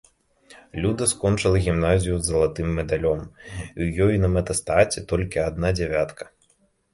Люда скончыла гімназію з залатым медалём і ў ейным атэстаце толькі адна дзявятка.